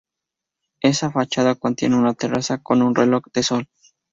Esta fachada contiene una terraza con un reloj de sol.